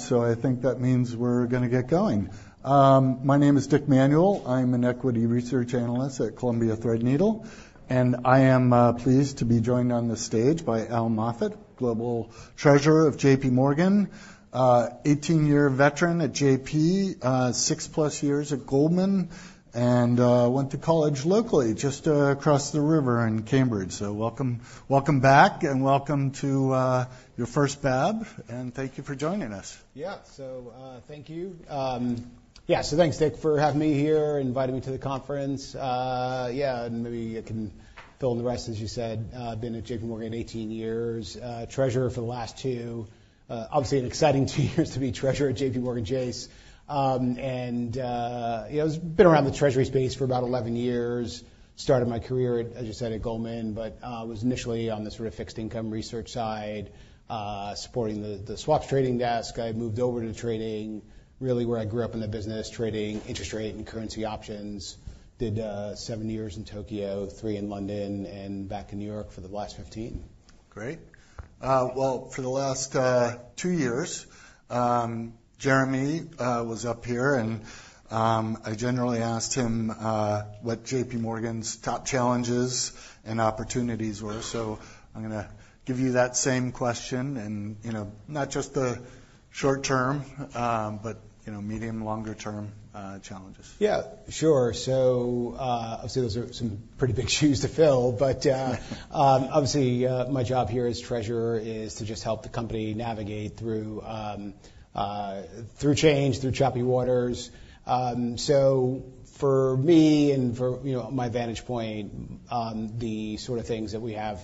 So I think that means we're going to get going. My name is Dick Manuel. I'm an equity research analyst at Columbia Threadneedle, and I am pleased to be joined on the stage by Al Moffitt, Global Treasurer of JPMorgan, an 18-year veteran at JP, 6+ years at Goldman, and went to college locally just across the river in Cambridge. So welcome back, and welcome to your first BofA, and thank you for joining us. Yeah, so thank you. Yeah, so thanks, Dick, for having me here, inviting me to the conference. Yeah, and maybe I can fill in the rest, as you said. I've been at JPMorgan 18 years, Treasurer for the last two, obviously an exciting two years to be Treasurer at JPMorgan Chase, and I've been around the Treasury space for about 11 years, started my career, as you said, at Goldman, but was initially on the sort of fixed income research side, supporting the swaps trading desk. I moved over to trading really where I grew up in the business, trading interest rate and currency options. Did seven years in Tokyo, three in London, and back in New York for the last 15. Great. Well, for the last two years, Jeremy was up here, and I generally asked him what JPMorgan's top challenges and opportunities were. So I'm going to give you that same question, and not just the short term, but medium and longer term challenges. Yeah, sure. So obviously those are some pretty big shoes to fill, but obviously my job here as Treasurer is to just help the company navigate through change, through choppy waters. So for me and for my vantage point, the sort of things that we have,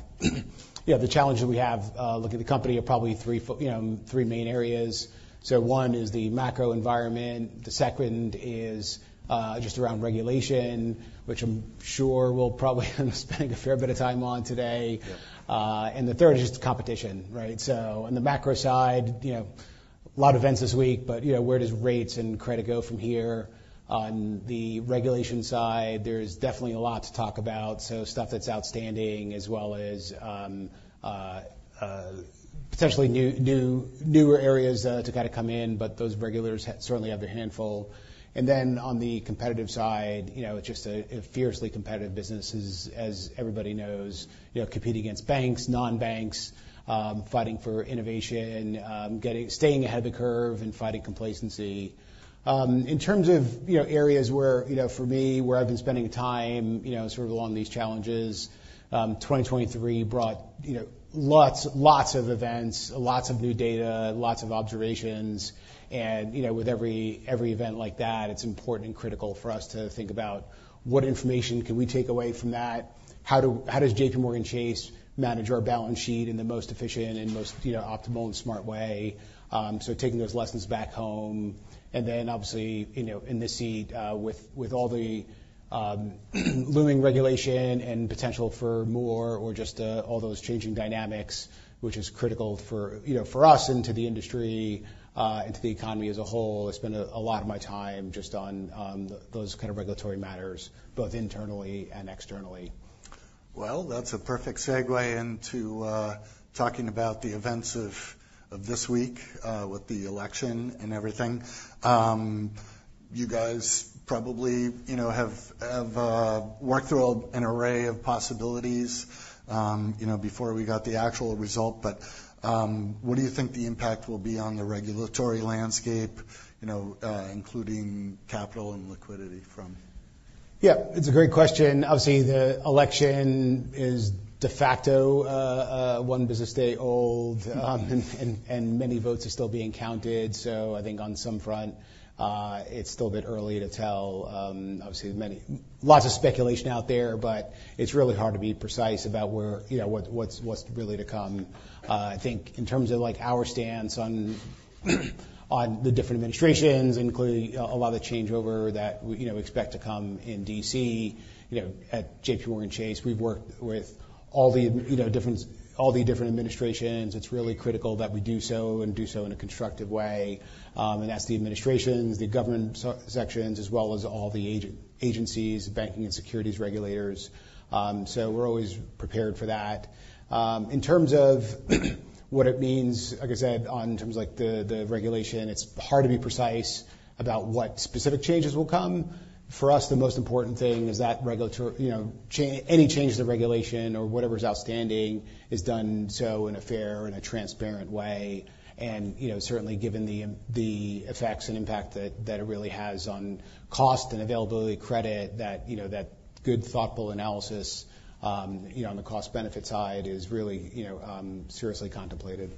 the challenges we have looking at the company are probably three main areas. So one is the macro environment. The second is just around regulation, which I'm sure we'll probably be spending a fair bit of time on today. And the third is just competition, right? So on the macro side, a lot of events this week, but where does rates and credit go from here? On the regulation side, there's definitely a lot to talk about, so stuff that's outstanding as well as potentially newer areas to kind of come in, but those regulators certainly have their handful. And then on the competitive side, it's just a fiercely competitive business, as everybody knows, competing against banks, non-banks, fighting for innovation, staying ahead of the curve, and fighting complacency. In terms of areas where for me, where I've been spending time sort of along these challenges, 2023 brought lots of events, lots of new data, lots of observations. And with every event like that, it's important and critical for us to think about what information can we take away from that? How does JPMorgan Chase manage our balance sheet in the most efficient and most optimal and smart way? So taking those lessons back home. And then obviously in this seat with all the looming regulation and potential for more or just all those changing dynamics, which is critical for us and to the industry, into the economy as a whole. I spend a lot of my time just on those kind of regulatory matters, both internally and externally. That's a perfect segue into talking about the events of this week with the election and everything. You guys probably have worked through an array of possibilities before we got the actual result, but what do you think the impact will be on the regulatory landscape, including capital and liquidity from? Yeah, it's a great question. Obviously, the election is de facto one business day old, and many votes are still being counted. So I think on some front, it's still a bit early to tell. Obviously, lots of speculation out there, but it's really hard to be precise about what's really to come. I think in terms of our stance on the different administrations, including a lot of the changeover that we expect to come in DC at JPMorgan Chase, we've worked with all the different administrations. It's really critical that we do so and do so in a constructive way. And that's the administrations, the government sections, as well as all the agencies, banking and securities regulators. So we're always prepared for that. In terms of what it means, like I said, in terms of the regulation, it's hard to be precise about what specific changes will come. For us, the most important thing is that any change to the regulation or whatever's outstanding is done so in a fair and a transparent way. And certainly given the effects and impact that it really has on cost and availability of credit, that good, thoughtful analysis on the cost-benefit side is really seriously contemplated.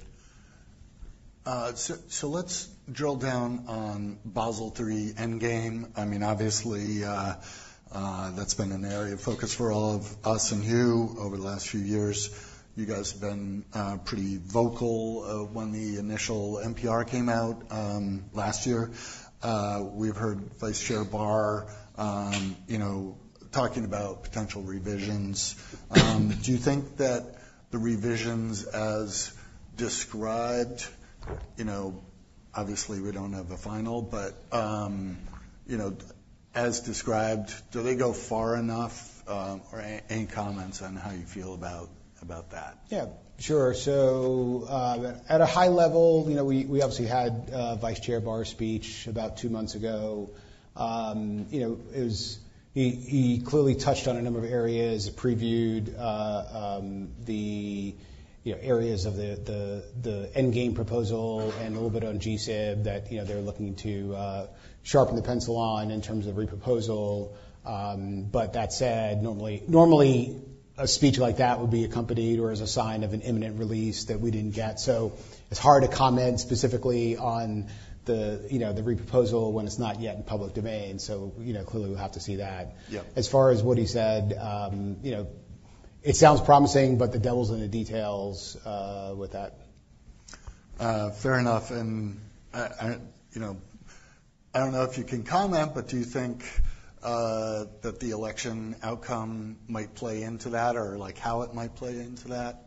So let's drill down on Basel III Endgame. I mean, obviously, that's been an area of focus for all of us and you over the last few years. You guys have been pretty vocal when the initial NPR came out last year. We've heard Vice Chair Barr talking about potential revisions. Do you think that the revisions as described, obviously we don't have a final, but as described, do they go far enough? Or any comments on how you feel about that? Yeah, sure. So at a high level, we obviously had Vice Chair Barr's speech about two months ago. He clearly touched on a number of areas, previewed the areas of the Endgame proposal and a little bit on GSIB that they're looking to sharpen the pencil on in terms of the re-proposal. But that said, normally a speech like that would be accompanied or as a sign of an imminent release that we didn't get. So it's hard to comment specifically on the re-proposal when it's not yet in public domain. So clearly we'll have to see that. As far as what he said, it sounds promising, but the devil's in the details with that. Fair enough. And I don't know if you can comment, but do you think that the election outcome might play into that or how it might play into that?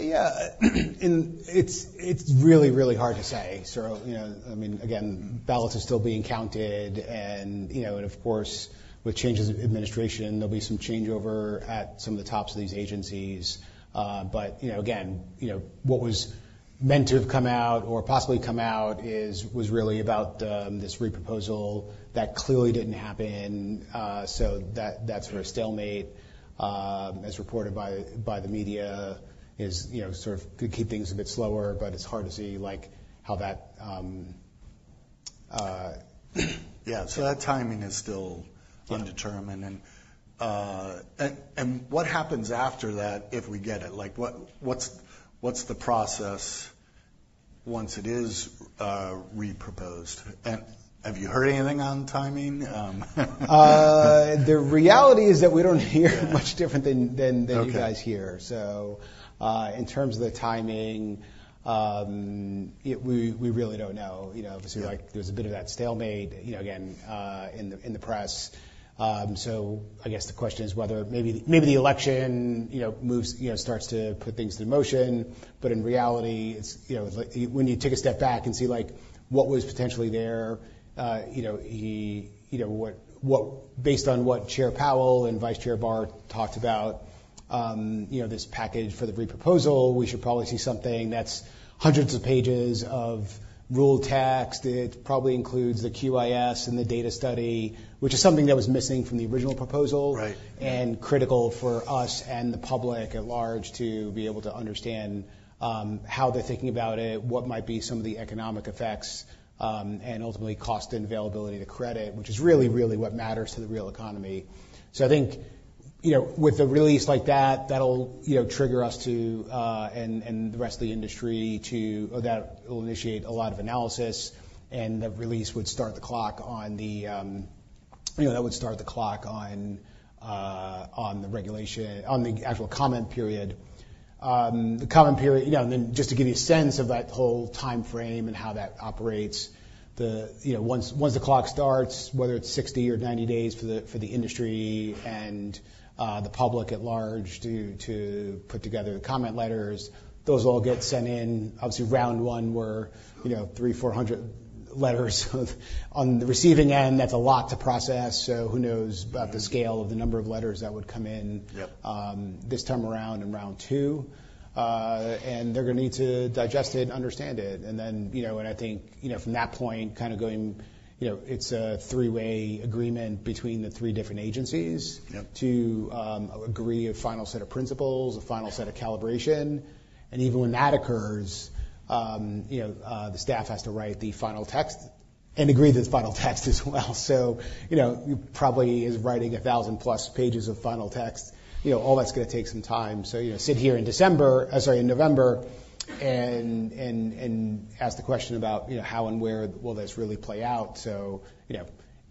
Yeah, it's really, really hard to say. I mean, again, ballots are still being counted. And of course, with changes in administration, there'll be some changeover at some of the tops of these agencies. But again, what was meant to have come out or possibly come out was really about this re-proposal that clearly didn't happen. So that sort of stalemate, as reported by the media, sort of could keep things a bit slower, but it's hard to see how that. Yeah, so that timing is still undetermined. And what happens after that if we get it? What's the process once it is re-proposed? And have you heard anything on timing? The reality is that we don't hear much different than you guys hear. So in terms of the timing, we really don't know. Obviously, there's a bit of that stalemate again in the press. So I guess the question is whether maybe the election starts to put things in motion. But in reality, when you take a step back and see what was potentially there, based on what Chair Powell and Vice Chair Barr talked about, this package for the re-proposal, we should probably see something that's hundreds of pages of rule text. It probably includes the QIS and the data study, which is something that was missing from the original proposal and critical for us and the public at large to be able to understand how they're thinking about it, what might be some of the economic effects, and ultimately cost and availability of credit, which is really, really what matters to the real economy, so I think with a release like that, that'll trigger us and the rest of the industry to initiate a lot of analysis, and the release would start the clock on the regulation, on the actual comment period. The comment period, and then just to give you a sense of that whole timeframe and how that operates, once the clock starts, whether it's 60 or 90 days for the industry and the public at large to put together the comment letters, those all get sent in. Obviously, round one were 300, 400 letters on the receiving end. That's a lot to process. So who knows about the scale of the number of letters that would come in this time around and round two. And they're going to need to digest it and understand it. And then I think from that point, kind of going, it's a three-way agreement between the three different agencies to agree a final set of principles, a final set of calibration. And even when that occurs, the staff has to write the final text and agree to the final text as well. So probably as writing 1,000+ pages of final text, all that's going to take some time. So sit here in November and ask the question about how and where will this really play out. So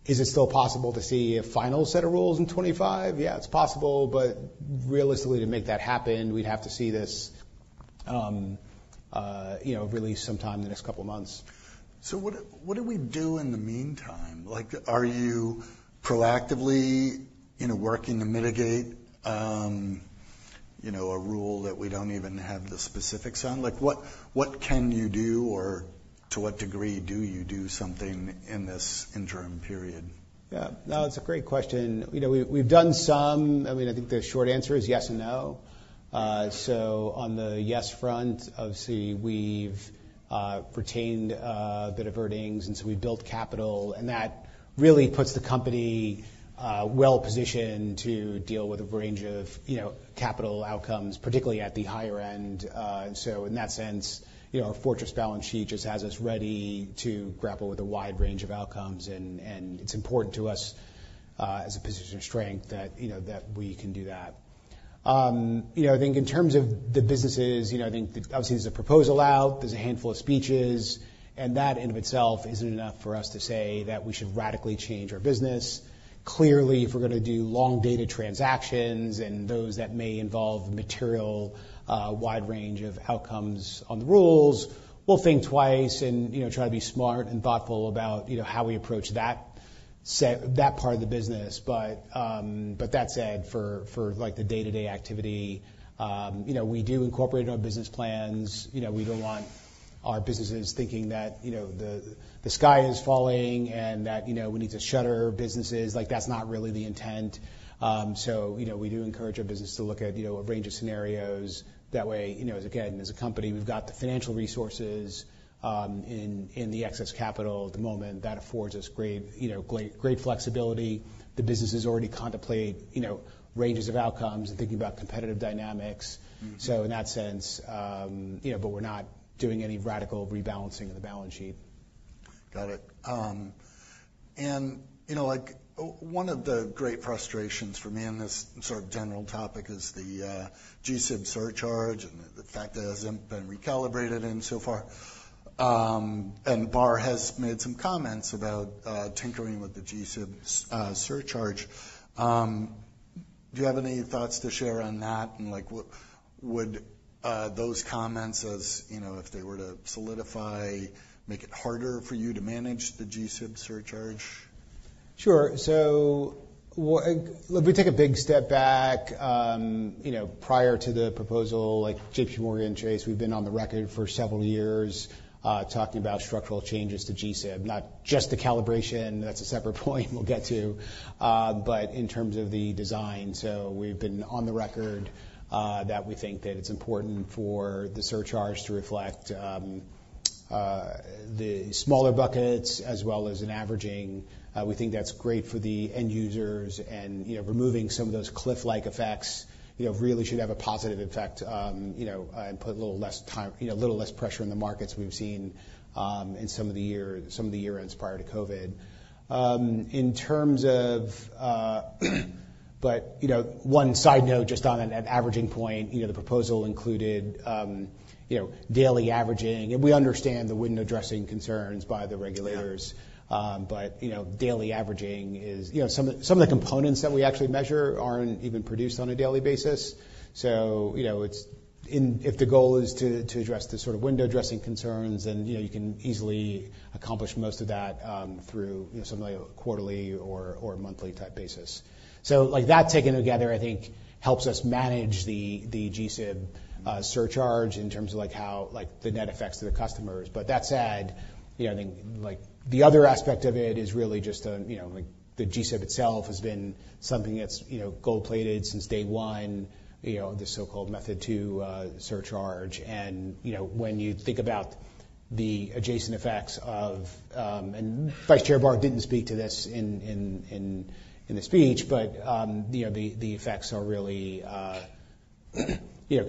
is it still possible to see a final set of rules in 2025? Yeah, it's possible. But realistically, to make that happen, we'd have to see this released sometime in the next couple of months. So what do we do in the meantime? Are you proactively working to mitigate a rule that we don't even have the specifics on? What can you do or to what degree do you do something in this interim period? Yeah, no, that's a great question. We've done some. I mean, I think the short answer is yes and no, so on the yes front, obviously we've retained a bit of earnings, and so we've built capital, and that really puts the company well positioned to deal with a range of capital outcomes, particularly at the higher end, so in that sense, our fortress balance sheet just has us ready to grapple with a wide range of outcomes, and it's important to us as a position of strength that we can do that. I think in terms of the businesses, I think obviously there's a proposal out, there's a handful of speeches, and that in and of itself isn't enough for us to say that we should radically change our business. Clearly, if we're going to do long-dated transactions and those that may involve material, wide range of outcomes on the rules, we'll think twice and try to be smart and thoughtful about how we approach that part of the business. But that said, for the day-to-day activity, we do incorporate in our business plans. We don't want our businesses thinking that the sky is falling and that we need to shut our businesses. That's not really the intent. So we do encourage our business to look at a range of scenarios. That way, again, as a company, we've got the financial resources and the excess capital at the moment that affords us great flexibility. The businesses already contemplate ranges of outcomes and thinking about competitive dynamics. So in that sense, but we're not doing any radical rebalancing of the balance sheet. Got it. And one of the great frustrations for me on this sort of general topic is the GSIB surcharge and the fact that it hasn't been recalibrated so far. And Barr has made some comments about tinkering with the GSIB surcharge. Do you have any thoughts to share on that? And would those comments, if they were to solidify, make it harder for you to manage the GSIB surcharge? Sure. So let me take a big step back. Prior to the proposal, JPMorgan Chase, we've been on the record for several years talking about structural changes to GSIB, not just the calibration. That's a separate point we'll get to. But in terms of the design, so we've been on the record that we think that it's important for the surcharge to reflect the smaller buckets as well as an averaging. We think that's great for the end users. And removing some of those cliff-like effects really should have a positive effect and put a little less pressure in the markets we've seen in some of the year-ends prior to COVID. In terms of, but one side note just on an averaging point, the proposal included daily averaging. And we understand that we're not addressing concerns by the regulators. But daily averaging is some of the components that we actually measure aren't even produced on a daily basis. So if the goal is to address the sort of window dressing concerns, then you can easily accomplish most of that through something like a quarterly or monthly type basis. So that taken together, I think, helps us manage the GSIB surcharge in terms of how the net effects to the customers. But that said, I think the other aspect of it is really just the GSIB itself has been something that's gold-plated since day one, the so-called Method 2 surcharge. And when you think about the adjacent effects of, and Vice Chair Barr didn't speak to this in the speech, but the effects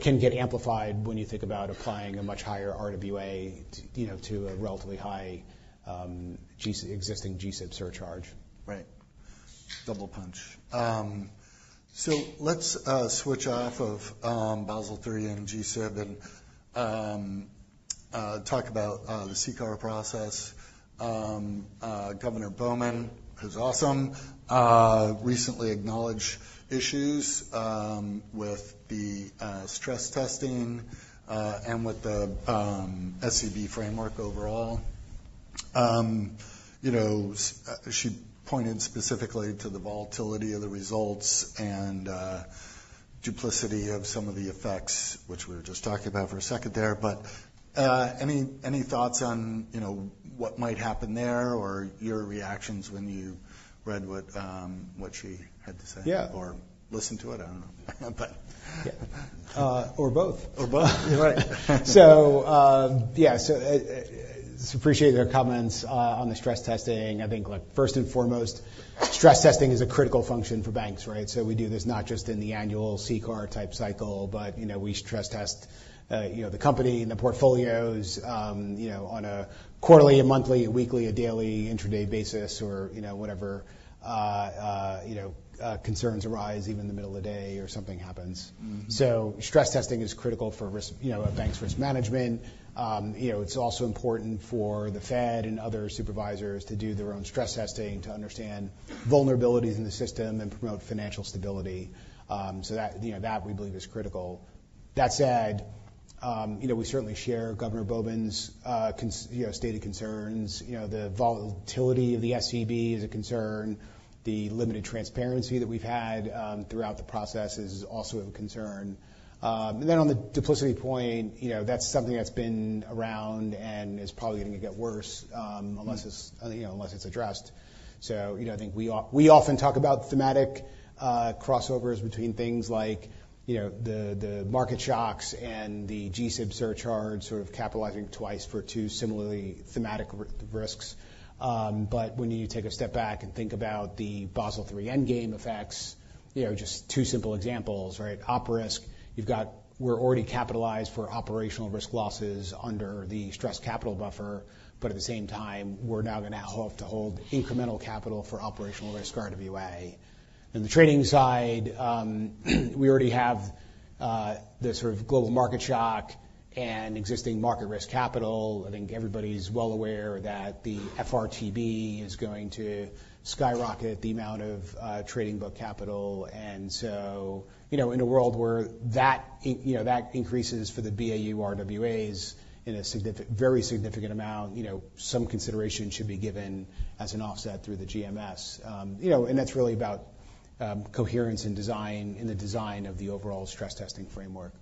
can get amplified when you think about applying a much higher RWA to a relatively high existing GSIB surcharge. Right. Double punch. So let's switch off of Basel III and GSIB and talk about the CCAR process. Governor Bowman, who's awesome, recently acknowledged issues with the stress testing and with the SCB framework overall. She pointed specifically to the volatility of the results and duplication of some of the effects, which we were just talking about for a second there. But any thoughts on what might happen there or your reactions when you read what she had to say or listened to it? I don't know. Or both. Or both. Right, so yeah, so appreciate their comments on the stress testing. I think first and foremost, stress testing is a critical function for banks, right, so we do this not just in the annual CCAR type cycle, but we stress test the company and the portfolios on a quarterly, a monthly, a weekly, a daily, intraday basis or whatever concerns arise, even in the middle of the day or something happens, so stress testing is critical for a bank's risk management. It's also important for the Fed and other supervisors to do their own stress testing to understand vulnerabilities in the system and promote financial stability, so that we believe is critical. That said, we certainly share Governor Bowman's stated concerns. The volatility of the SCB is a concern. The limited transparency that we've had throughout the process is also a concern. And then on the duplicity point, that's something that's been around and is probably going to get worse unless it's addressed. So I think we often talk about thematic crossovers between things like the market shocks and the GSIB surcharge sort of capitalizing twice for two similarly thematic risks. But when you take a step back and think about the Basel III Endgame effects, just two simple examples, right? Op risk, we're already capitalized for operational risk losses under the stress capital buffer, but at the same time, we're now going to have to hold incremental capital for operational risk RWA. And the trading side, we already have the sort of global market shock and existing market risk capital. I think everybody's well aware that the FRTB is going to skyrocket the amount of trading book capital. And so in a world where that increases for the BAU RWAs in a very significant amount, some consideration should be given as an offset through the GMS. And that's really about coherence in the design of the overall stress testing framework.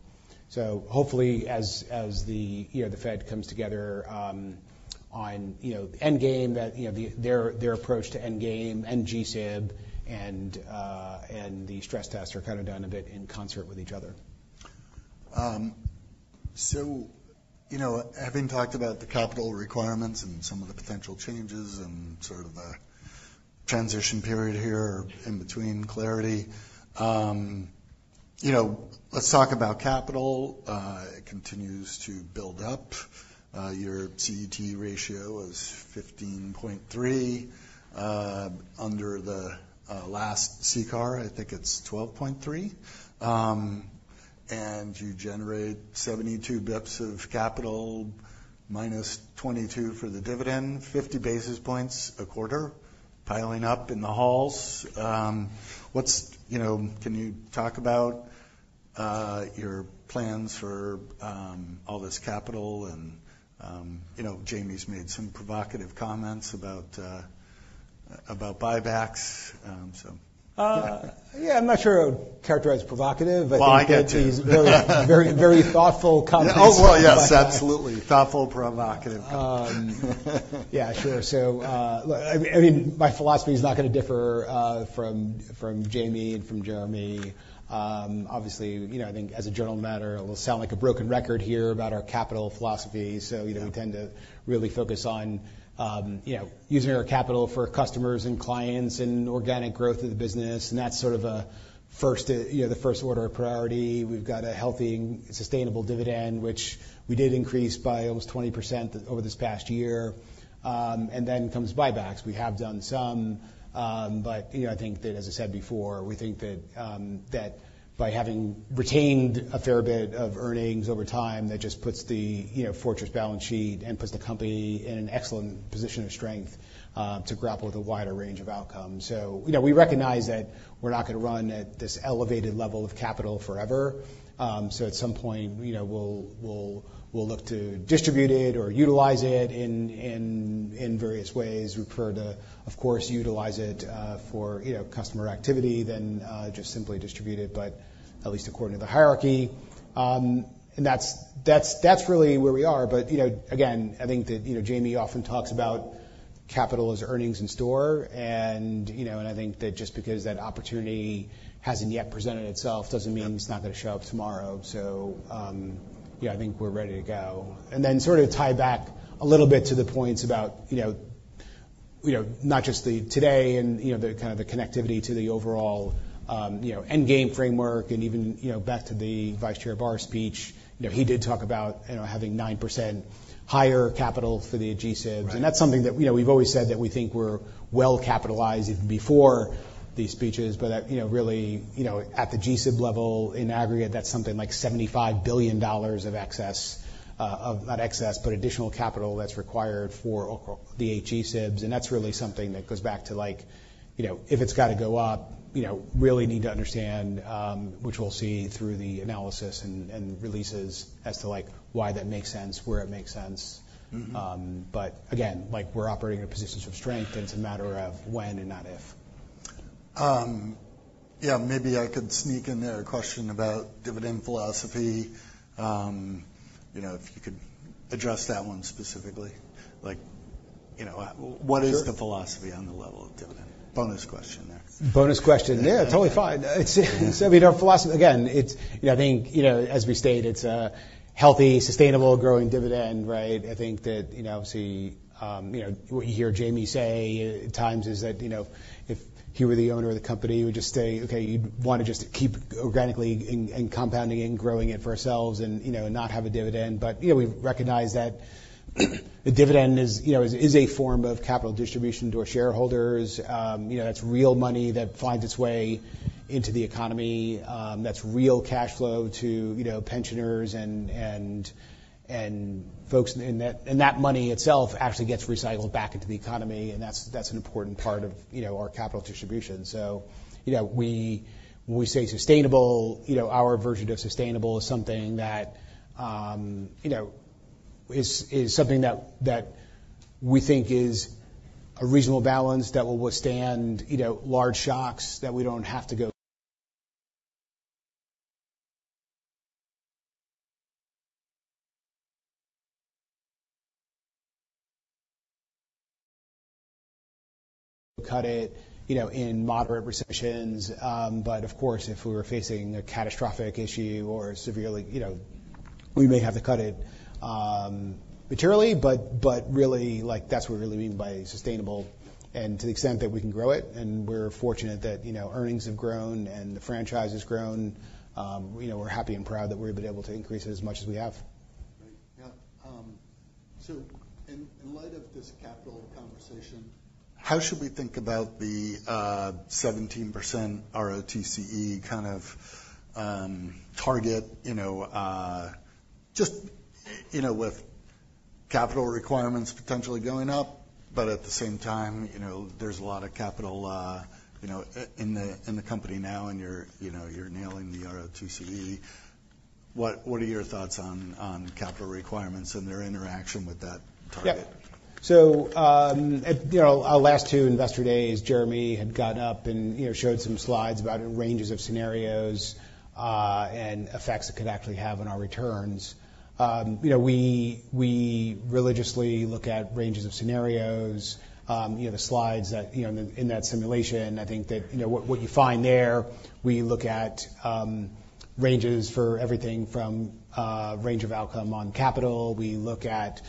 So hopefully, as the Fed comes together on Endgame, their approach to Endgame, end GSIB, and the stress tests are kind of done a bit in concert with each other. Having talked about the capital requirements and some of the potential changes and sort of the transition period here in between clarity, let's talk about capital. It continues to build up. Your CET1 ratio is 15.3%. Under the last CCAR, I think it's 12.3%. And you generate 72 basis points of capital -22 for the dividend, 50 basis points a quarter, piling up in the halls. Can you talk about your plans for all this capital? And Jamie's made some provocative comments about buybacks. Yeah, I'm not sure I would characterize provocative. I think that's a very thoughtful comment. Oh, well, yes, absolutely. Thoughtful provocative comment. Yeah, sure. So I mean, my philosophy is not going to differ from Jamie and from Jeremy. Obviously, I think as a general matter, it will sound like a broken record here about our capital philosophy. So we tend to really focus on using our capital for customers and clients and organic growth of the business. And that's sort of the first order of priority. We've got a healthy, sustainable dividend, which we did increase by almost 20% over this past year. And then comes buybacks. We have done some. But I think that, as I said before, we think that by having retained a fair bit of earnings over time, that just puts the fortress balance sheet and puts the company in an excellent position of strength to grapple with a wider range of outcomes. We recognize that we're not going to run at this elevated level of capital forever. At some point, we'll look to distribute it or utilize it in various ways. We prefer to, of course, utilize it for customer activity than just simply distribute it, but at least according to the hierarchy. That's really where we are. Again, I think that Jamie often talks about capital as earnings in store. I think that just because that opportunity hasn't yet presented itself doesn't mean it's not going to show up tomorrow. I think we're ready to go. Then sort of tie back a little bit to the points about not just today and kind of the connectivity to the overall endgame framework and even back to the Vice Chair Barr speech. He did talk about having 9% higher capital for the GSIB. And that's something that we've always said that we think we're well capitalized even before these speeches. But really, at the GSIB level in aggregate, that's something like $75 billion of excess, not excess, but additional capital that's required for the eight GSIBs. And that's really something that goes back to if it's got to go up, really need to understand, which we'll see through the analysis and releases as to why that makes sense, where it makes sense. But again, we're operating in a position of strength. It's a matter of when and not if. Yeah, maybe I could sneak in there a question about dividend philosophy. If you could address that one specifically. What is the philosophy on the level of dividend? Bonus question there. Bonus question. Yeah, totally fine. Again, I think as we stated, it's a healthy, sustainable, growing dividend, right? I think that obviously what you hear Jamie say at times is that if he were the owner of the company, he would just say, "Okay, you'd want to just keep organically compounding and growing it for ourselves and not have a dividend." But we recognize that the dividend is a form of capital distribution to our shareholders. That's real money that finds its way into the economy. That's real cash flow to pensioners and folks. And that money itself actually gets recycled back into the economy. And that's an important part of our capital distribution. So when we say sustainable, our version of sustainable is something that we think is a reasonable balance that will withstand large shocks that we don't have to go. Cut it in moderate recessions, but of course, if we were facing a catastrophic issue or severely, we may have to cut it materially, but really, that's what we really mean by sustainable, and to the extent that we can grow it, and we're fortunate that earnings have grown and the franchise has grown, we're happy and proud that we've been able to increase it as much as we have. Great. Yeah. So in light of this capital conversation, how should we think about the 17% ROTCE kind of target just with capital requirements potentially going up, but at the same time, there's a lot of capital in the company now and you're nailing the ROTCE? What are your thoughts on capital requirements and their interaction with that target? Yeah, so our last two investor days, Jeremy had gotten up and showed some slides about ranges of scenarios and effects it could actually have on our returns. We religiously look at ranges of scenarios, the slides in that simulation. I think that what you find there, we look at ranges for everything from range of outcome on capital. We look at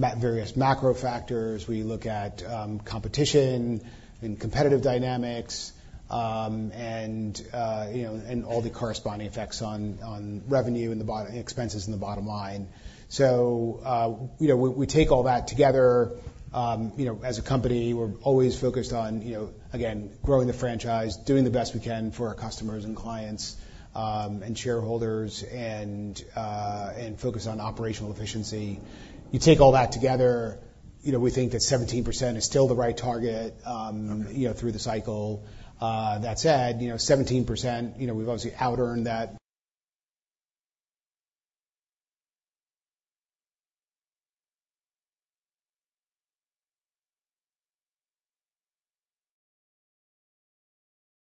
various macro factors. We look at competition and competitive dynamics and all the corresponding effects on revenue and expenses in the bottom line, so we take all that together. As a company, we're always focused on, again, growing the franchise, doing the best we can for our customers and clients and shareholders, and focus on operational efficiency. You take all that together, we think that 17% is still the right target through the cycle. That said, 17%, we've obviously out-earned that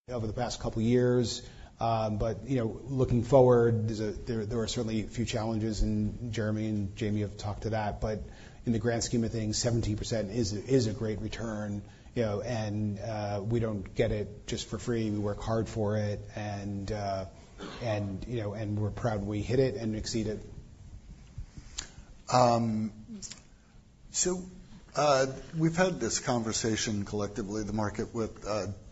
over the past couple of years. But looking forward, there are certainly a few challenges that Jeremy and Jamie have talked about. But in the grand scheme of things, 17% is a great return. And we don't get it just for free. We work hard for it. And we're proud we hit it and exceed it. So we've had this conversation collectively, the market with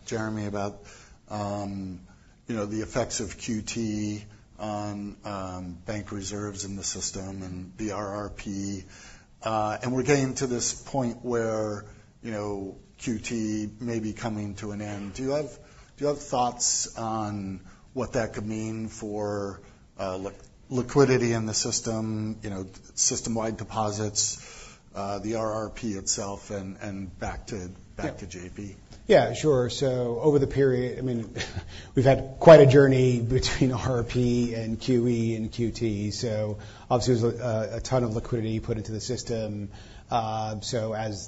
Jeremy about the effects of QT on bank reserves in the system and the RRP. And we're getting to this point where QT may be coming to an end. Do you have thoughts on what that could mean for liquidity in the system, system-wide deposits, the RRP itself, and back to JP? Yeah, sure. So over the period, I mean, we've had quite a journey between RRP and QE and QT. So obviously, there's a ton of liquidity put into the system. So as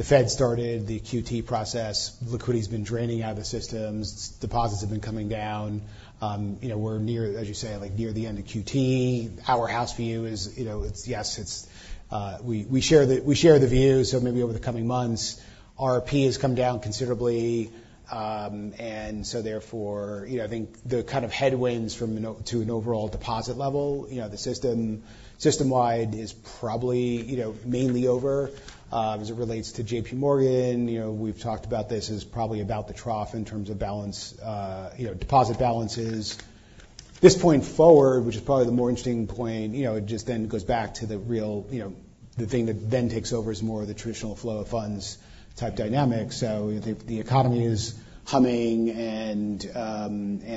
the Fed started the QT process, liquidity has been draining out of the systems. Deposits have been coming down. We're near, as you say, near the end of QT. Our house view is, yes, we share the view. So maybe over the coming months, RRP has come down considerably. And so therefore, I think the kind of headwinds to an overall deposit level, the system-wide is probably mainly over as it relates to JPMorgan. We've talked about this as probably about the trough in terms of deposit balances. this point forward, which is probably the more interesting point, it just then goes back to the thing that then takes over is more of the traditional flow of funds type dynamic. So the economy is humming and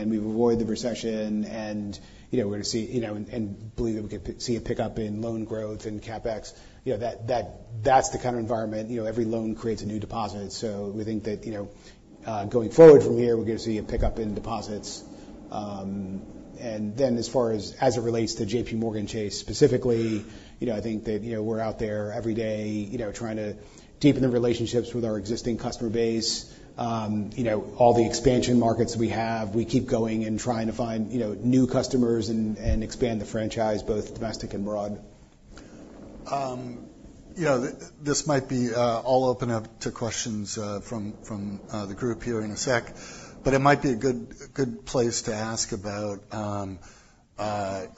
we've avoided the recession and we're going to see and believe that we could see a pickup in loan growth and CapEx. That's the kind of environment. Every loan creates a new deposit. So we think that going forward from here, we're going to see a pickup in deposits. And then as far as it relates to JPMorgan Chase specifically, I think that we're out there every day trying to deepen the relationships with our existing customer base. All the expansion markets we have, we keep going and trying to find new customers and expand the franchise, both domestic and abroad. This might be all open up to questions from the group here in a sec, but it might be a good place to ask about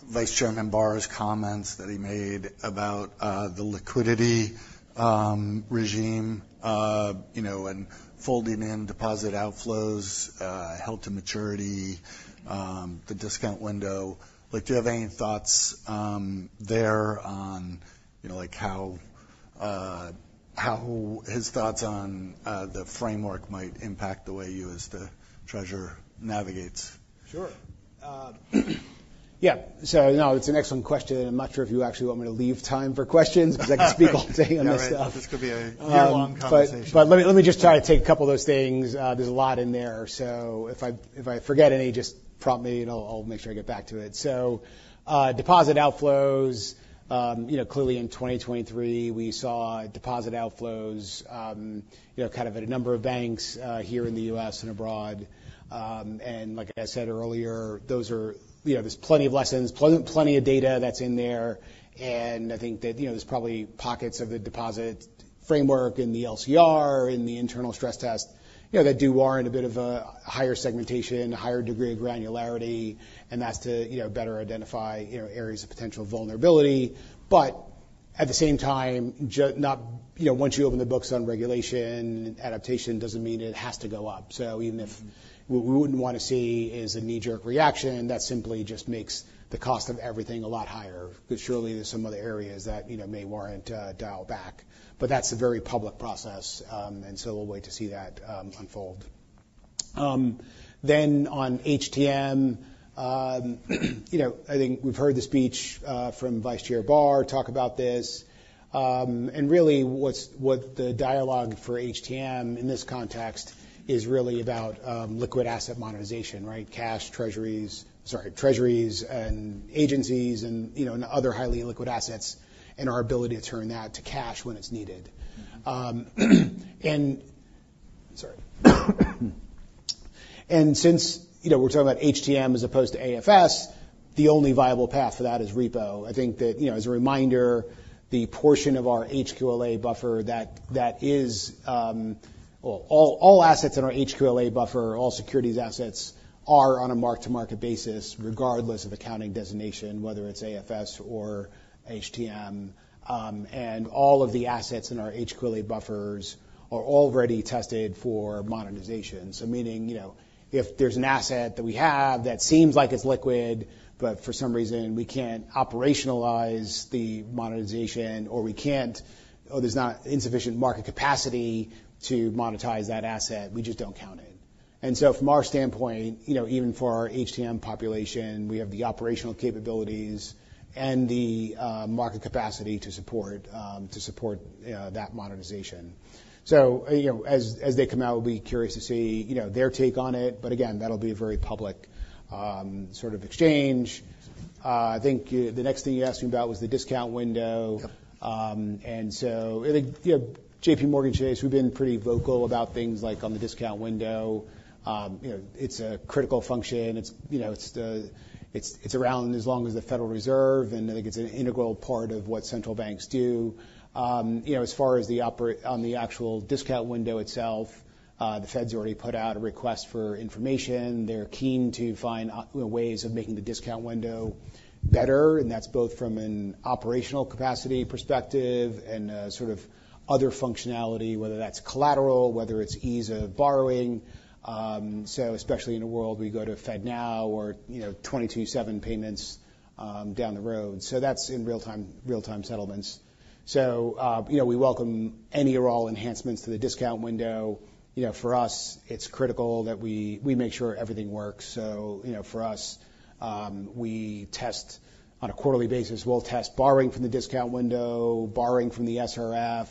Vice Chair Barr's comments that he made about the liquidity regime and folding in deposit outflows held-to-maturity, the discount window. Do you have any thoughts there on how his thoughts on the framework might impact the way you as the treasurer navigates? Sure. Yeah. So no, it's an excellent question. I'm not sure if you actually want me to leave time for questions because I can speak all day on this stuff. This could be a long conversation. But let me just try to take a couple of those things. There's a lot in there. So if I forget any, just prompt me and I'll make sure I get back to it. So deposit outflows, clearly in 2023, we saw deposit outflows kind of at a number of banks here in the U.S. and abroad. And like I said earlier, there's plenty of lessons, plenty of data that's in there. And I think that there's probably pockets of the deposit framework in the LCR and the internal stress test that do warrant a bit of a higher segmentation, a higher degree of granularity. And that's to better identify areas of potential vulnerability. But at the same time, once you open the books on regulation and adaptation, it doesn't mean it has to go up. So even if what we wouldn't want to see is a knee-jerk reaction, that simply just makes the cost of everything a lot higher. Surely there's some other areas that may warrant a dial back. But that's a very public process. And so we'll wait to see that unfold. Then on HTM, I think we've heard the speech from Vice Chair Barr talk about this. And really what the dialogue for HTM in this context is really about liquid asset monetization, right? Cash, Treasuries, sorry, Treasuries and Agencies and other highly illiquid assets and our ability to turn that to cash when it's needed. And since we're talking about HTM as opposed to AFS, the only viable path for that is repo. I think that as a reminder, the portion of our HQLA buffer that is all assets in our HQLA buffer, all securities assets are on a mark-to-market basis, regardless of accounting designation, whether it's AFS or HTM, and all of the assets in our HQLA buffers are already tested for monetization, so meaning if there's an asset that we have that seems like it's liquid, but for some reason we can't operationalize the monetization or there's not insufficient market capacity to monetize that asset, we just don't count it, and so from our standpoint, even for our HTM population, we have the operational capabilities and the market capacity to support that monetization, so as they come out, we'll be curious to see their take on it, but again, that'll be a very public sort of exchange. I think the next thing you asked me about was the discount window. And so JPMorgan Chase, we've been pretty vocal about things like on the discount window. It's a critical function. It's around as long as the Federal Reserve, and I think it's an integral part of what central banks do. As far as on the actual discount window itself, the Fed's already put out a request for information. They're keen to find ways of making the discount window better. And that's both from an operational capacity perspective and sort of other functionality, whether that's collateral, whether it's ease of borrowing. So especially in a world we go to FedNow or 24/7 payments down the road. So that's in real-time settlements. So we welcome any or all enhancements to the discount window. For us, it's critical that we make sure everything works. So for us, we test on a quarterly basis. We'll test borrowing from the discount window, borrowing from the SRF.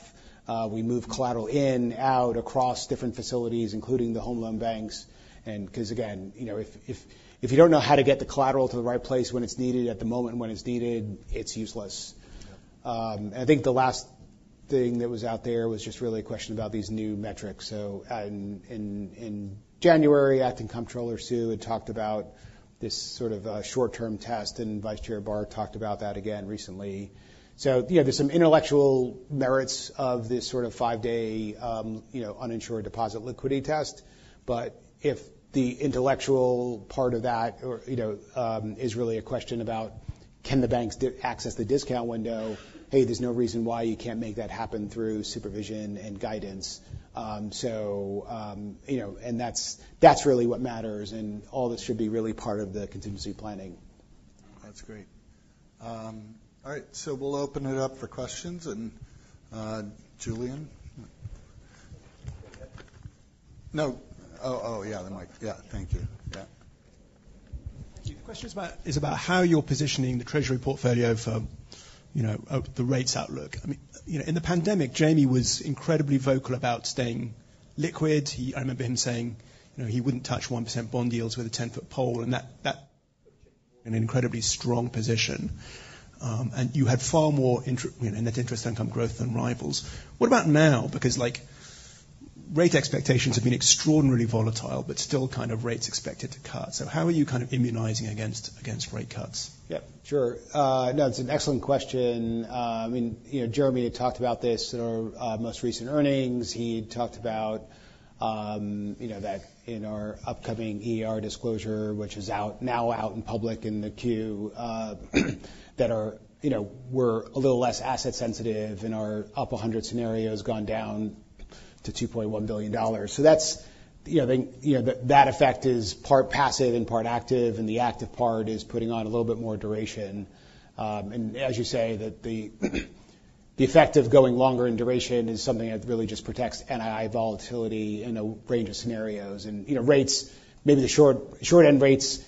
We move collateral in, out, across different facilities, including the Federal Home Loan Banks, and because again, if you don't know how to get the collateral to the right place when it's needed at the moment when it's needed, it's useless. I think the last thing that was out there was just really a question about these new metrics, so in January, Acting Comptroller Hsu had talked about this sort of short-term test and Vice Chair Barr talked about that again recently, so there's some intellectual merits of this sort of five-day uninsured deposit liquidity test, but if the intellectual part of that is really a question about can the banks access the discount window, hey, there's no reason why you can't make that happen through supervision and guidance, and that's really what matters, and all this should be really part of the contingency planning. That's great. All right. So we'll open it up for questions. And Julian. No. Oh, yeah, the mic. Yeah. Thank you. Yeah. Thank you. The question is about how you're positioning the treasury portfolio for the rates outlook. I mean, in the pandemic, Jamie was incredibly vocal about staying liquid. I remember him saying he wouldn't touch 1% bond yields with a 10-foot pole and that was an incredibly strong position. And you had far more net interest income growth than rivals. What about now? Because rate expectations have been extraordinarily volatile, but still kind of rates expected to cut. So how are you kind of immunizing against rate cuts? Yep. Sure. No, it's an excellent question. I mean, Jeremy had talked about this, our most recent earnings. He talked about that in our upcoming disclosure, which is now out in public in the 10-Q, that we're a little less asset sensitive and our up 100 scenario has gone down to $2.1 billion. So that effect is part passive and part active, and the active part is putting on a little bit more duration, and as you say, the effect of going longer in duration is something that really just protects NII volatility in a range of scenarios, and rates, maybe the short-end rates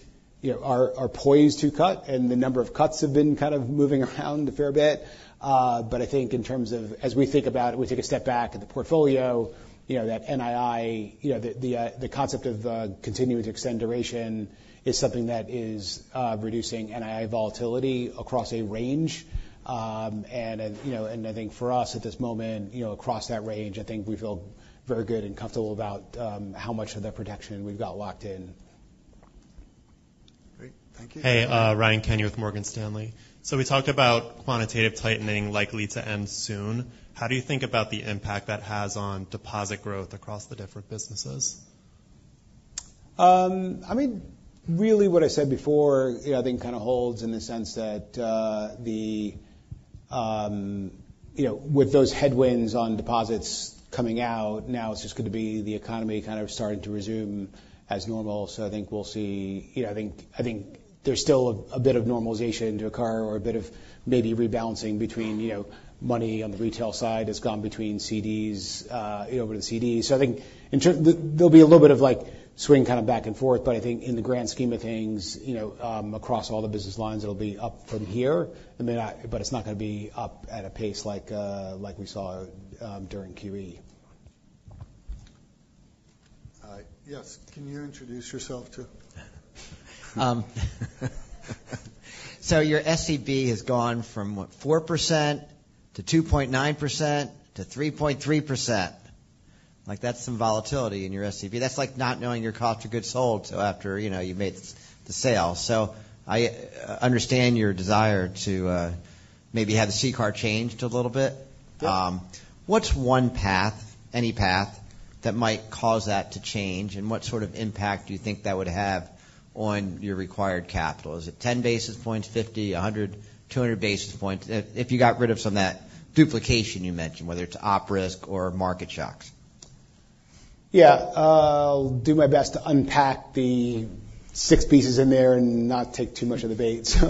are poised to cut and the number of cuts have been kind of moving around a fair bit. I think in terms of as we think about it, we take a step back at the portfolio. That NII, the concept of continuing to extend duration is something that is reducing NII volatility across a range. I think for us at this moment, across that range, I think we feel very good and comfortable about how much of that protection we've got locked in. Great. Thank you. Hey, Ryan Kenny with Morgan Stanley. So we talked about quantitative tightening likely to end soon. How do you think about the impact that has on deposit growth across the different businesses? I mean, really what I said before, I think kind of holds in the sense that with those headwinds on deposits coming out, now it's just going to be the economy kind of starting to resume as normal. So I think we'll see. I think there's still a bit of normalization to occur or a bit of maybe rebalancing between money on the retail side has gone between CDs over to CDs. So I think there'll be a little bit of swing kind of back and forth. But I think in the grand scheme of things across all the business lines, it'll be up from here. But it's not going to be up at a pace like we saw during QE. Yes. Can you introduce yourself too? So your SCB has gone from what, 4% to 2.9% to 3.3%. That's some volatility in your SCB. That's like not knowing your cost of goods sold after you made the sale. So I understand your desire to maybe have the CCAR changed a little bit. What's one path, any path that might cause that to change? And what sort of impact do you think that would have on your required capital? Is it 10 basis points, 50, 100, 200 basis points? If you got rid of some of that duplication you mentioned, whether it's Op risk or market shocks. Yeah. I'll do my best to unpack the six pieces in there and not take too much of the bait. So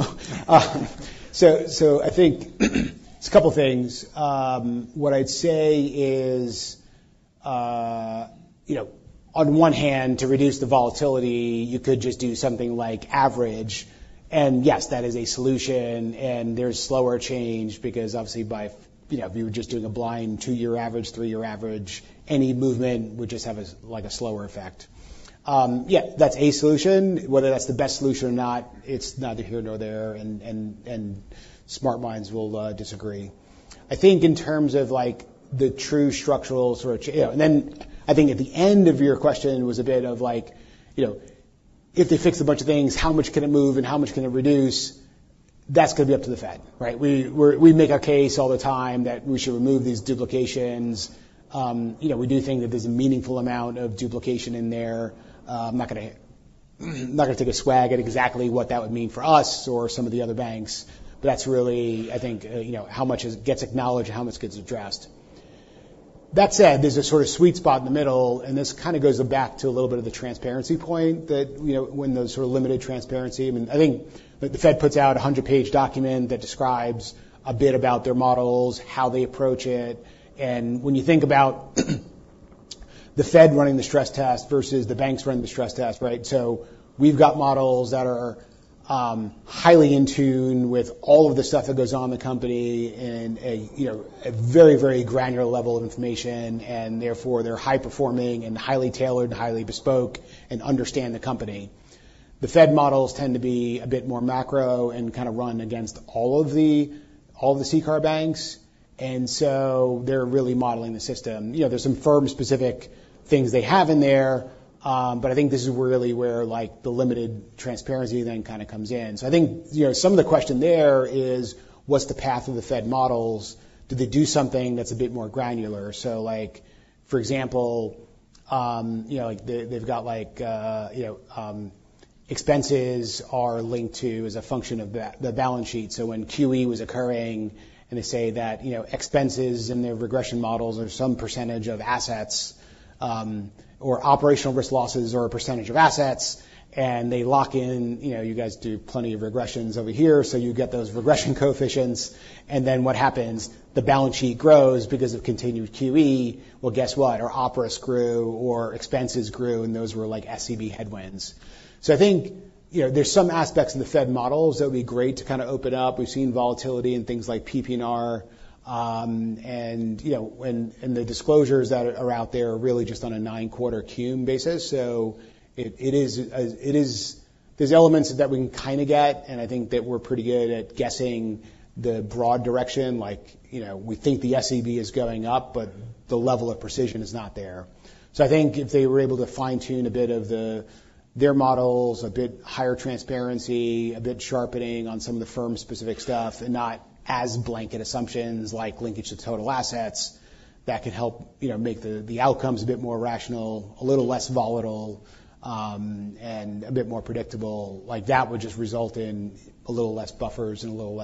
I think it's a couple of things. What I'd say is on one hand, to reduce the volatility, you could just do something like average. And yes, that is a solution. And there's slower change because obviously if you were just doing a blind two-year average, three-year average, any movement would just have a slower effect. Yeah, that's a solution. Whether that's the best solution or not, it's neither here nor there. And smart minds will disagree. I think in terms of the true structural sort of and then I think at the end of your question was a bit of if they fix a bunch of things, how much can it move and how much can it reduce? That's going to be up to the Fed, right? We make our case all the time that we should remove these duplications. We do think that there's a meaningful amount of duplication in there. I'm not going to take a swag at exactly what that would mean for us or some of the other banks, but that's really, I think, how much gets acknowledged and how much gets addressed. That said, there's a sort of sweet spot in the middle, and this kind of goes back to a little bit of the transparency point that when those sort of limited transparency. I mean, I think the Fed puts out a 100-page document that describes a bit about their models, how they approach it, and when you think about the Fed running the stress test versus the banks running the stress test, right? So we've got models that are highly in tune with all of the stuff that goes on in the company and a very, very granular level of information. And therefore they're high-performing and highly tailored and highly bespoke and understand the company. The Fed models tend to be a bit more macro and kind of run against all of the CCAR banks. And so they're really modeling the system. There's some firm-specific things they have in there. But I think this is really where the limited transparency then kind of comes in. So I think some of the question there is, what's the path of the Fed models? Do they do something that's a bit more granular? So for example, they've got expenses are linked to as a function of the balance sheet. So when QE was occurring and they say that expenses in their regression models are some percentage of assets or operational risk losses or a percentage of assets. And they lock in, you guys do plenty of regressions over here. So you get those regression coefficients. And then what happens? The balance sheet grows because of continued QE. Well, guess what? Our Op risk grew or expenses grew and those were SCB headwinds. So I think there's some aspects in the Fed models that would be great to kind of open up. We've seen volatility in things like PPNR and the disclosures that are out there really just on a nine-quarter cumulative basis. So there's elements that we can kind of get. And I think that we're pretty good at guessing the broad direction. We think the SCB is going up, but the level of precision is not there. So I think if they were able to fine-tune a bit of their models, a bit higher transparency, a bit sharpening on some of the firm-specific stuff and not as blanket assumptions like linkage to total assets, that could help make the outcomes a bit more rational, a little less volatile, and a bit more predictable. That would just result in a little less buffers and a little.